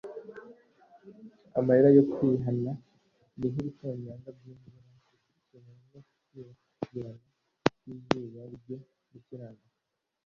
Amarira yo kwihana ni nk'ibitonyanga by'imvura bikurikirana no kurabagirana kw'izuba ryo gukiranuka.